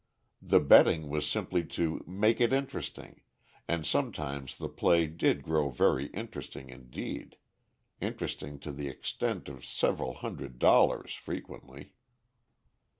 The betting was simply to "make it interesting," and sometimes the play did grow very "interesting" indeed interesting to the extent of several hundred dollars frequently.